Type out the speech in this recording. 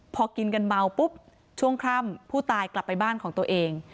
พอกินกันเมาปุ๊บช่วงค่ำผู้ตายกลับไปบ้านของตัวเอง